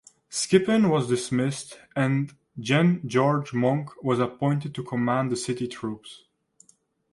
Skippon was dismissed and Gen George Monck was appointed to command the City troops.